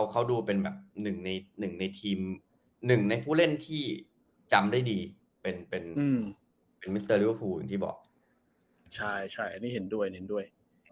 ใช่ใช่นี่เห็นด้วย